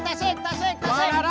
pasik pasik pasik